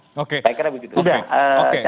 saya kira begitu saja